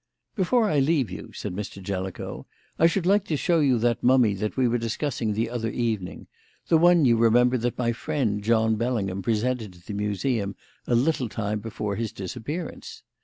"Before I leave you," said Mr. Jellicoe, "I should like to show you that mummy that we were discussing the other evening; the one, you remember, that my friend, John Bellingham, presented to the Museum a little time before his disappearance.